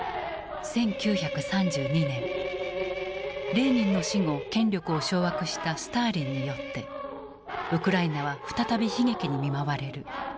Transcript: レーニンの死後権力を掌握したスターリンによってウクライナは再び悲劇に見舞われる。